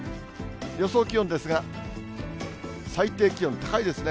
予想気温ですが、最低気温、高いですね。